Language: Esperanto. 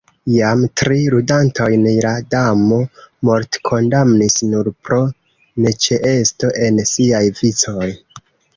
Jam tri ludantojn la Damo mortkondamnis nur pro neĉeesto en siaj vicoj.